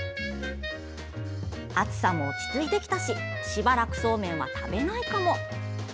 暑さも落ち着いてきたししばらくそうめんは食べないかも。